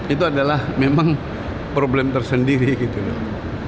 itu adalah memang problem tersendiri gitu loh